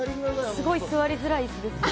すごい座りづらい椅子ですね。